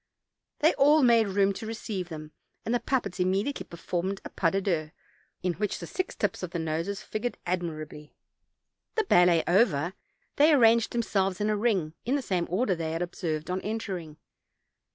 They all made room to receive them, and the puppets immediately performed a pas de douze, in which the six tips of the noses figured admirably. The ballet over, they arranged themselves in a ring, in the same order they had observed on entering.